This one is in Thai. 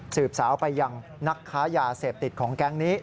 สาวไปยังนักค้ายาเสพติดของแก๊งนี้